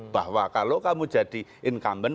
bahwa kalau kamu jadi incumbent